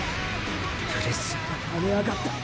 プレッシャーが跳ね上がった！